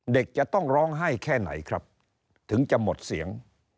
เด็กจะต้องร้องไห้แค่ไหนครับถึงจะหมดเสียง